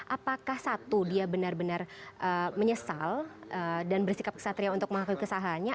apakah satu dia benar benar menyesal dan bersikap kesatria untuk mengakui kesalahannya